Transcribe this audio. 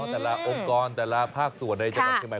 อ๋อแต่ละองค์กรแต่ละภาคส่วนในจังหวัดชมัย